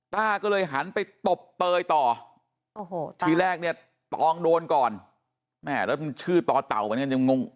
ต้าก็เลยหันไปตบเปรย์ต่อทีแรกตองโดนก่อนแล้วชื่อต่อเต่าเหมือนกันยังงงง